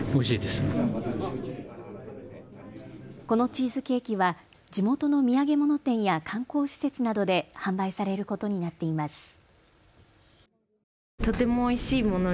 このチーズケーキは地元の土産物店や観光施設などで販売されることになっています。